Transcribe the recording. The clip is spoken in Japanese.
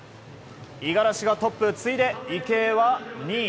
五十嵐がトップ、池江は２位。